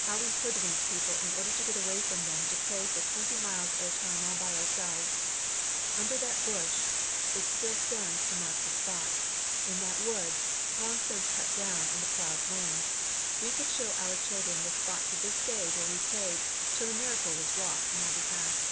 How we hoodwinked people in order to get away from them to pray for twenty miles at a time all by ourselves! Under that bush it still stands to mark the spot; in that wood, long since cut down into ploughed land we could show our children the spot to this day where we prayed, till a miracle was wrought in our behalf.